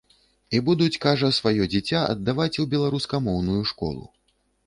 І будуць, кажа, сваё дзіця аддаваць у беларускамоўную школу.